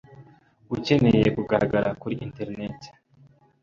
ucyeneye kugaragara kuri internet,